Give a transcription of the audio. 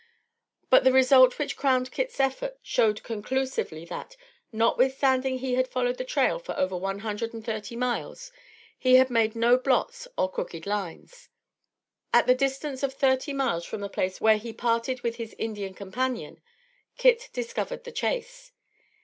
But the result which crowned Kit's effort showed conclusively that, notwithstanding he had followed the trail for over one hundred and thirty miles, he had made no blots or crooked lines. At the distance of thirty miles from the place where he parted with his Indian companion, Kit discovered the chase.